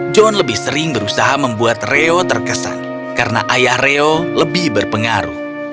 john lebih sering berusaha membuat reo terkesan karena ayah reo lebih berpengaruh